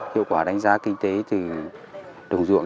hiệu quả đánh giá kinh tế từ đồng ruộng